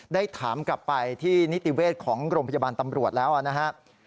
ได้ถามกลับไปที่นิติเวชของโรงพยาบาลตำรวจแล้วนะครับ